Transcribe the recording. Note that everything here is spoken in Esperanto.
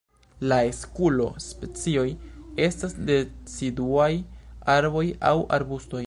La Eskulo-specioj estas deciduaj arboj aŭ arbustoj.